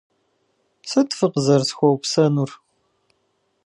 Сыт фыкъызэрысхуэупсэнур?